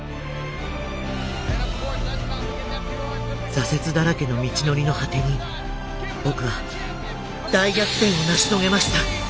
挫折だらけの道のりの果てに僕は大逆転を成し遂げました。